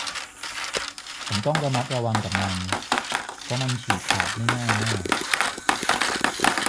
ผมต้องระมัดระวังกับมัน เพราะมันฉีกขาดได้ง่ายมาก